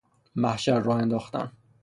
محشر راه انداختن